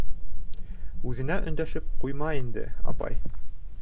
Үҙенә өндәшеп ҡуйма инде, апай.